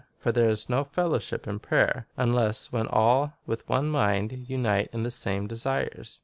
For there is no fellowship in prayer, unless when all with one mind unite in the same desires.